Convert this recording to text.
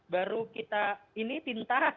baru kita ini tinta